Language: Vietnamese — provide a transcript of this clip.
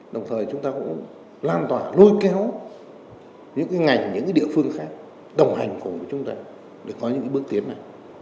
đồng thời chúng ta cũng lan tỏa lôi kéo những cái ngành những địa phương khác đồng hành cùng với chúng ta để có những bước tiến này